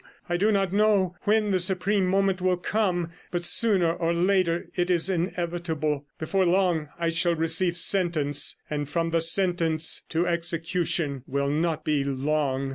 I do not know when the supreme moment will come, but sooner or later it is inevitable; before long I shall receive sentence, and from the sentence to execution will not be long.